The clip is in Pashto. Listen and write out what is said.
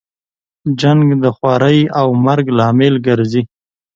جنګ د خوارۍ او مرګ لامل ګرځي.